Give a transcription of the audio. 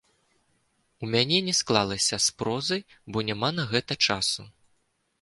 У мяне не склалася з прозай, бо няма на гэта часу.